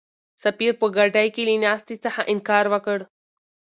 سفیر په ګاډۍ کې له ناستې څخه انکار وکړ.